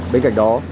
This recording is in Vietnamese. bên cạnh đó